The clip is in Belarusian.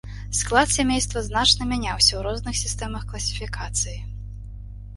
Склад сямейства значна мяняўся ў розных сістэмах класіфікацыі.